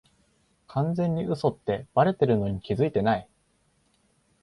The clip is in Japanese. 完全に嘘ってバレてるのに気づいてない